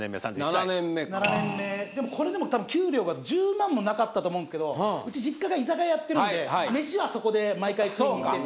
７年目でもこれでも多分給料が１０万もなかったと思うんですけどうち実家が居酒屋やってるんで飯はそこで毎回食いに行ってて。